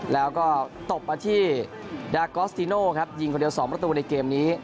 แล้วก็ตบมาที่ดากอสติโน่ครับยิงคนเดียว๒ประตูในเกมนี้